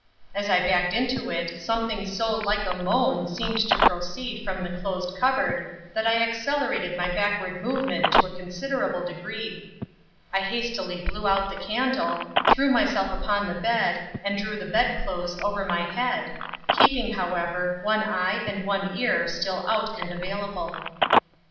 As I backed into it something so like a moan seemed to proceed from the closed cupboard that I accelerated my backward movement to a considerable degree. I hastily blew out the candle, threw myself upon the bed and drew the bedclothes over my head, keeping, however, one eye and one ear still out and available.